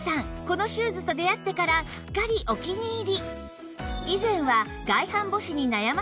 このシューズと出会ってからすっかりお気に入り